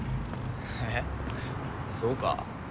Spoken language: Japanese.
えっそうか？